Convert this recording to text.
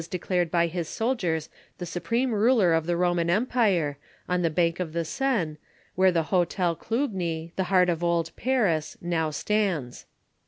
declared by bis soldiers tbe supreme ruler of tbe Roman Empire, on tbe bank of tbe Seine, where tbe Hotel Clugny, tbe beart of old Paris, now stands.